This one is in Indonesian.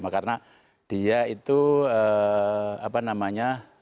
karena dia itu bisa menggunakan flight control